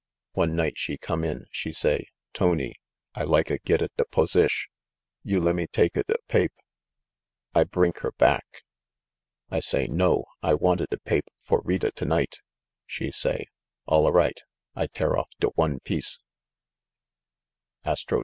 One night she come in, she say, Tony, I like a get a da posish. You lemme take a do pape'. I brink 'er back.' I say 'No, I wanta da pape' for read a to night/ She say, 'All a right ; I tear off da one piece/ " I no t'row a da bomb